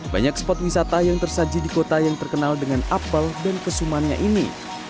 banyak spot wisata yang tersaji di kota yang terkenal dengan apel dan kesumannya ini